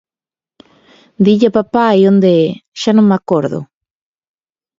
Dille a papai onde é, xa non me acordo.